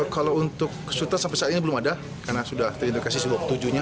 kalau untuk suta sampai saat ini belum ada karena sudah terindikasi sibok tujuh nya